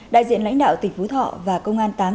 đại diện lãnh đạo tỉnh phú thọ và công an tám